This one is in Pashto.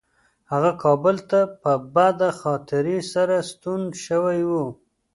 هغه کابل ته په بده خاطرې سره ستون شوی و.